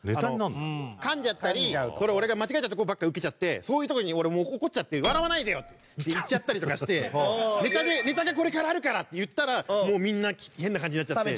噛んじゃったり俺が間違えたところばっかりウケちゃってそういうところに俺もう怒っちゃって「笑わないでよ！」って言っちゃったりとかして「ネタでこれからあるから！」って言ったらみんな変な感じになっちゃって。